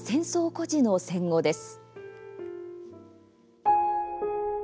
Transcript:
孤児の戦後」です。